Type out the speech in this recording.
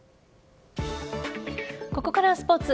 ここからはスポーツ。